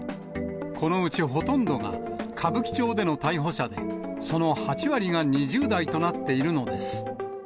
このうちほとんどが歌舞伎町での逮捕者で、その８割が２０代となっているのです。